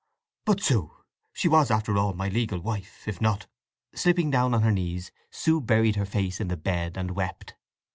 "But Sue, she was, after all, my legal wife, if not—" Slipping down on her knees Sue buried her face in the bed and wept.